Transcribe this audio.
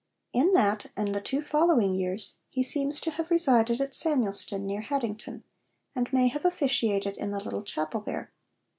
In that and the two following years he seems to have resided at Samuelston near Haddington, and may have officiated in the little chapel there.